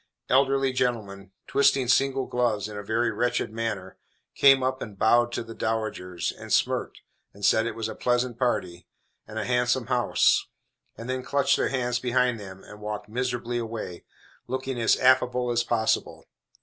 Elderly gentlemen, twisting single gloves in a very wretched manner, came up and bowed to the dowagers, and smirked, and said it was a pleasant party, and a handsome house, and then clutched their hands behind them, and walked miserably away, looking as affable as possible.